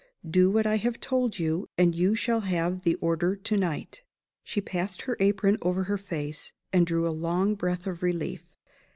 Do what I have told you; and you shall have the order to night." She passed her apron over her face, and drew a long breath of relief.